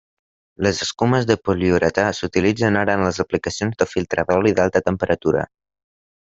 Les escumes de poliuretà s'utilitzen ara en les aplicacions de filtre d'oli d'alta temperatura.